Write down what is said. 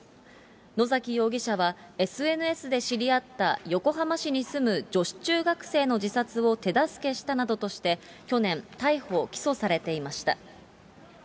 野崎容疑者は、ＳＮＳで知り合った横浜市に住む女子中学生の自殺を手助けしたなどとして、去年、逮捕・起訴されていました。